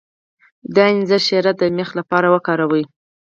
د انځر شیره د میخ لپاره وکاروئ